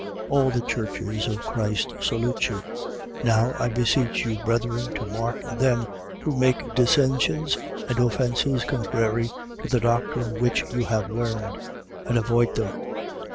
All the churches of Christ salute you. 16:17. Now I beseech you, brethren, to mark them who make dissensions and offences contrary to the doctrine which you have learned and avoid them.